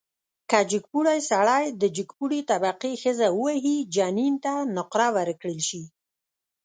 که جګپوړی سړی د جګپوړي طبقې ښځه ووهي، جنین ته نقره ورکړل شي.